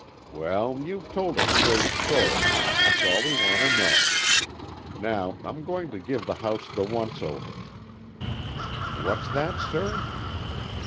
"Well, you've told a straight story, and that's all we want to know. Now, I'm going to give the house the once over." "What's that, sir?"